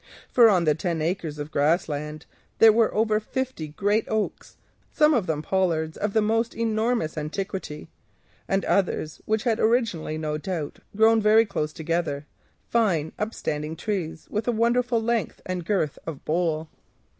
For on the ten acres of grass land there stood over fifty great oaks, some of them pollards of the most enormous antiquity, and others which had, no doubt, originally grown very close together, fine upstanding trees with a wonderful length and girth of bole.